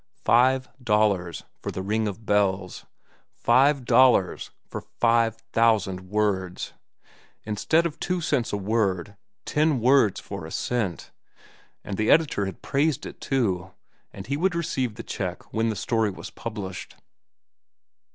Five dollars for "The Ring of Bells"—five dollars for five thousand words! Instead of two cents a word, ten words for a cent! And the editor had praised it, too. And he would receive the check when the story was published.